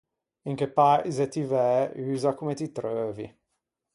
In che paise ti væ usa comme ti treuvi.